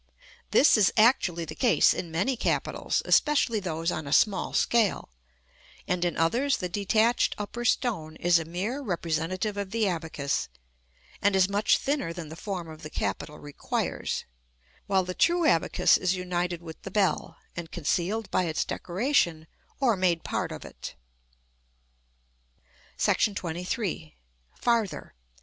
This is actually the case in many capitals, especially those on a small scale; and in others the detached upper stone is a mere representative of the abacus, and is much thinner than the form of the capital requires, while the true abacus is united with the bell, and concealed by its decoration, or made part of it. § XXIII. Farther.